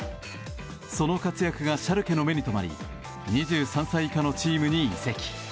その活躍がシャルケの目に留まり２３歳以下のチームに移籍。